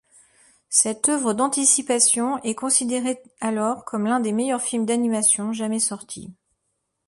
Cette œuvre d'anticipation est considérée alors comme l'un des meilleurs films d'animation jamais sorti.